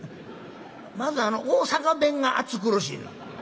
まず大阪弁が暑苦しい。